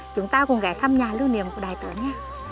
chúng ta cùng gãy thăm nhà lưu niềm của đại tướng nha